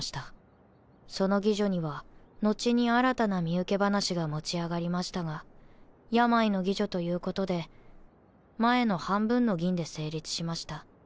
その妓女には後に新たな身請け話が持ち上がりましたが病の妓女ということで前の半分の銀で成立しました。